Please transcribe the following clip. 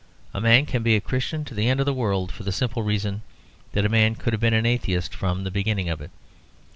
A man can be a Christian to the end of the world, for the simple reason that a man could have been an Atheist from the beginning of it.